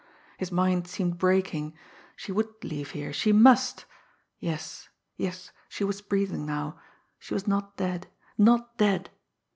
his mind seemed breaking she would leave here, she must yes, yes, she was breathing now she was not dead not dead!